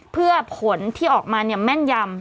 เพื่อผลที่ออกมาแม่นยำ